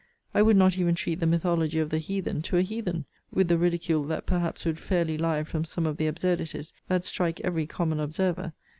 I would not even treat the mythology of the heathen to a heathen, with the ridicule that perhaps would fairly lie from some of the absurdities that strike every common observer.